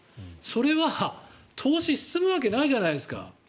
それは投資進むわけないじゃないですか。